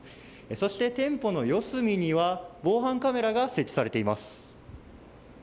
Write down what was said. そして、店舗の四隅には防犯カメラが設置されています。